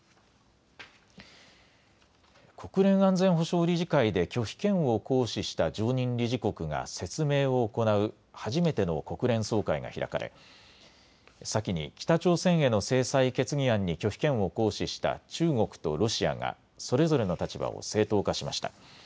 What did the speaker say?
国連安全保障理事会で拒否権を行使した常任理事国が説明を行う初めての国連総会が開かれ先に北朝鮮への制裁決議案に拒否権を行使した中国とロシアがそれぞれの立場を正当化しました。